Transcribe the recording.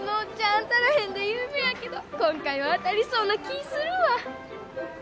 当たらへんで有名やけど今回は当たりそうな気ぃするわ！